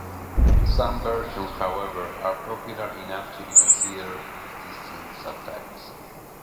Some versions however are popular enough to be considered as distinct subtypes.